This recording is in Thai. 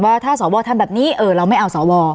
ว่าถ้าสวทำแบบนี้เราไม่เอาสว